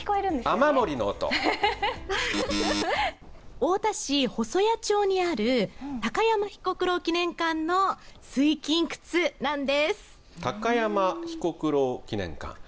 太田市細谷町にある高山彦九郎記念館の水琴窟なんです。